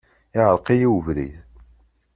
Iɛreq-iyi ubrid.